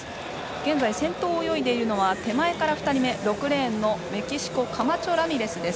現在先頭は手前から２人目６レーンのメキシコカマチョラミレスです。